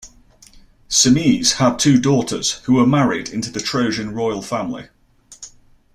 Simoeis had two daughters who were married into the Trojan royal family.